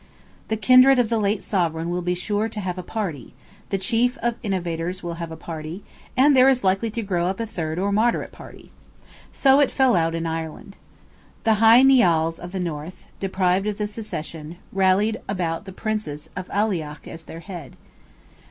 The kindred of the late sovereign will be sure to have a party, the chief innovators will have a party, and there is likely to grow up a third or moderate party. So it fell out in Ireland. The Hy Nials of the north, deprived of the succession, rallied about the Princes of Aileach as their head.